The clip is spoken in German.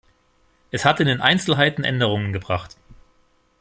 Es hat in den Einzelheiten Änderungen gebracht.